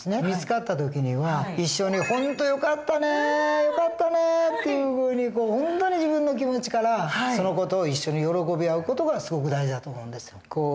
見つかった時には一緒に「本当よかったねよかったね」というふうに本当に自分の気持ちからその事を一緒に喜び合う事がすごく大事だと思うんですよ。